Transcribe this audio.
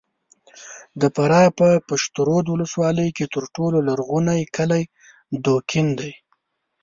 د فراه په پشترود ولسوالۍ کې تر ټولو لرغونی کلی دوکین دی!